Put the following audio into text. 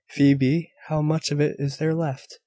Phoebe, how much of it is there left?